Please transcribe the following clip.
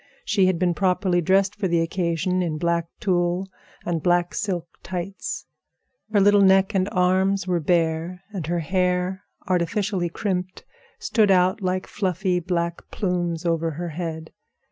She had been properly dressed for the occasion in black tulle and black silk tights. Her little neck and arms were bare, and her hair, artificially crimped, stood out like fluffy black plumes over her head.